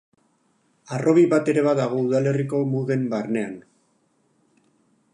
Harrobi bat ere badago udalerriko mugen barnean.